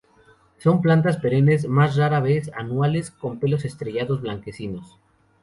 Son plantas perennes, más rara vez anuales, con pelos estrellados, blanquecinos.